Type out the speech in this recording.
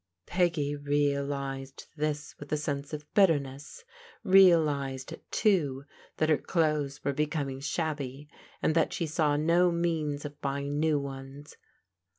Peggy realized this with a sense of bitterness ; realized, too, that her clothes were becoming shabby, and that she saw no means of buying new ones.